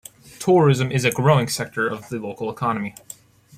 Tourism is a growing sector of the local economy.